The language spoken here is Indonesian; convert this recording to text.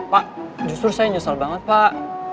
pak justru saya nyesel banget pak